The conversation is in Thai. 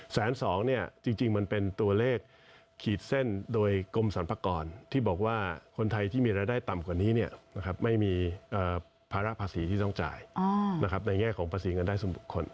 แสนสองเนี่ยจริงมันเป็นตัวเลขขีดเส้นโดยกรมสรรพากรที่บอกว่าคนไทยที่มีรายได้ต่ำกว่านี้เนี่ยนะครับไม่มีภาระภาษีที่ต้องจ่ายนะครับในแง่ของภาษีเงินได้สมบุคคล